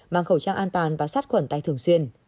mang khẩu trang an toàn và sát khuẩn tay thường xuyên